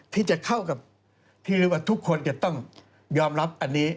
ที่จะเข้ากับที่เรียกว่าทุกคนจะต้องยอมรับอันนี้